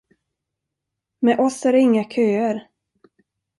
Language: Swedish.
Med oss är det inga köer.